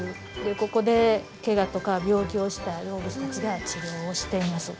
ここでけがとか病気をした動物たちが治療をしています。